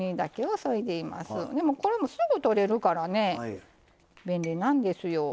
これも、すぐとれるから便利なんですよ。